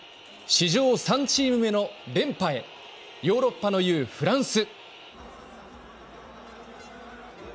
史上３チーム目の連覇へヨーロッパの雄、フランス。